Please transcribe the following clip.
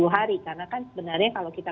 sepuluh hari karena kan sebenarnya kalau kita